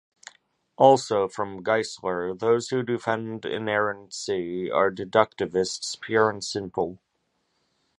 Also, from Geisler:Those who defend inerrancy are deductivists pure and simple.